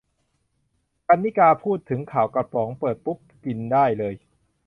กรรณิการ์ พูดถึง "ข่าวกระป๋อง" เปิดปุ๊บ กินได้เลย